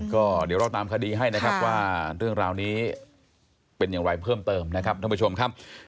ก็เดี๋ยวเราตามคดีให้นะครับว่าเรื่องราวนี้เป็นอย่างไรเพิ่มเติมนะครับท่านผู้ชมครับ